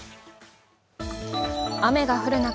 雨が降る中